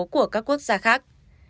của các quốc gia khác